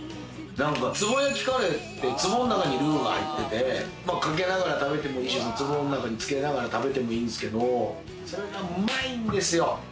壺焼きカレーってつぼの中にルーが入ってて、かけながら食べてもいいし、つぼの中につけながら食べてもいいんですけど、それがうまいんですよ。